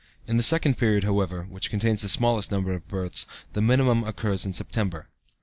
(In the second period, however, which contains the smallest number of births, the minimum occurs in September.)